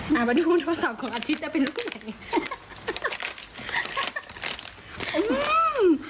เอามาดูโทรศัพท์ของอาทิตย์ได้เป็นลูกไหน